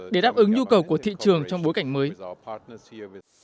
để đáp ứng nhu cầu của thị trường trong bối cảnh mới